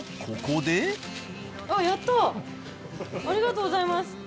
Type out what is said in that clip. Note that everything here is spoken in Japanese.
ありがとうございます。